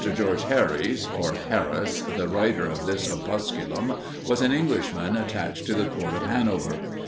George Harrys, or Harris, the writer of this opusculum, was an Englishman, attached to the Court of Hanover.